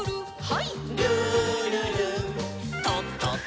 はい。